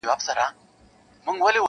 ته تر اوسه لا د فیل غوږ کي بیده یې,